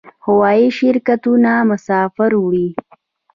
هوایی شرکتونه مسافر وړي